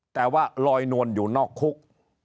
แต่ว่าลอยนวลอยู่นอกคุก